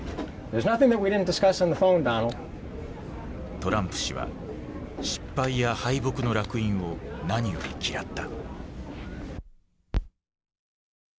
トランプ氏は失敗や敗北の烙印を何より嫌った。